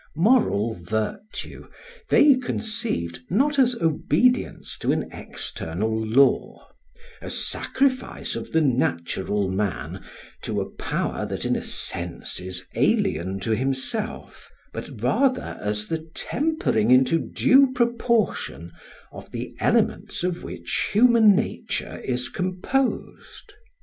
Moral virtue they conceived not as obedience to an external law, a sacrifice of the natural man to a power that in a sense is alien to himself, but rather as the tempering into due proportion of the elements of which human nature is composed.